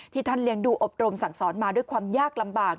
ท่านเลี้ยงดูอบรมสั่งสอนมาด้วยความยากลำบาก